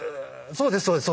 そうですそうです。